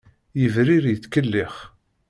Yebrir yettkellix!